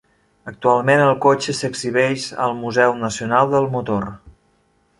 Actualment, el cotxe s'exhibeix al Museu Nacional del Motor.